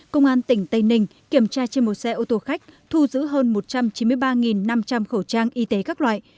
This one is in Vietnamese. công an tỉnh tây ninh kiểm tra trên một xe ô tô khách thu giữ hơn một trăm chín mươi ba năm trăm linh khẩu trang y tế các loại